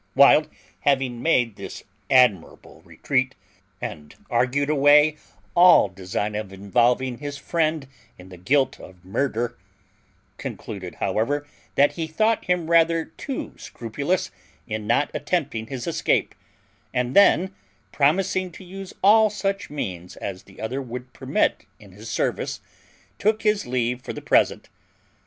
Wild, having made this admirable retreat, and argued away all design of involving his friend in the guilt of murder, concluded, however, that he thought him rather too scrupulous in not attempting his escape and then, promising to use all such means as the other would permit in his service, took his leave for the present.